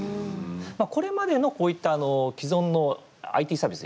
これまでのこういった既存のＩＴサービス。